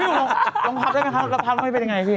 ลองพับได้ไหมครับแล้วพับมันจะเป็นอย่างไรพี่